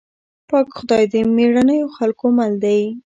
پاک خدای د مېړنيو خلکو مل دی.